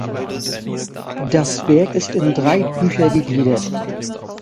Das Werk ist in drei Bücher gegliedert.